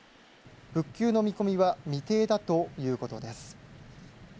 復旧の見込みは未定だということです。